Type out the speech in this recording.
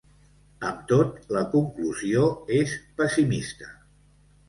Amb tot, la conclusió és pessimista.